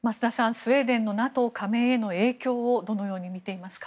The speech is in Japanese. スウェーデンのＮＡＴＯ加盟への影響をどのように見ていますか。